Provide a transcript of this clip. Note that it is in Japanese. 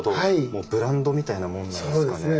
もうブランドみたいなものなんですかね？